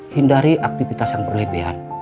hindari aktivitas yang berlebihan